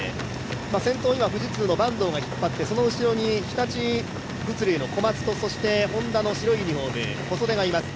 先頭は今、富士通の坂東が引っ張って、その後ろに日立物流の小松と、Ｈｏｎｄａの小袖がいます。